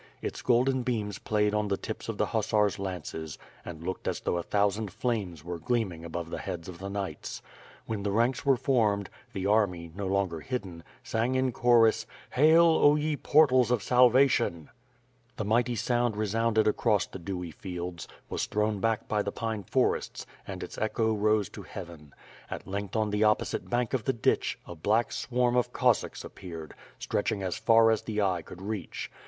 Its golden beams played on the tips of the hussars' lances and looked as though a thousand flames were gleaming above the heads of the knights. When the ranks were formed, the army, no longer hidden, sang in chorus, "Hail, 0 ye portals of salvation!" gSo WITH FIRE AND SWORD, The mighty sound resounded across the dewy fields, was thrown back by the pine forests, and its echo rose to heaven. At length on the opposite bank of the ditch, a black swarm of Cossacks appeared, stretching as far as the eye could reach.